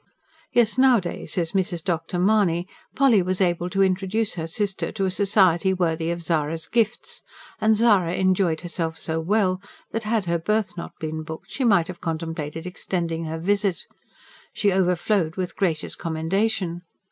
Yes, nowadays, as Mrs. Dr. Mahony, Polly was able to introduce her sister to a society worthy of Zara's gifts; and Zara enjoyed herself so well that, had her berth not been booked, she might have contemplated extending her visit. She overflowed with gracious commendation.